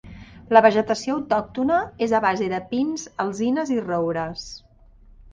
La vegetació autòctona és a base de pins, alzines i roures.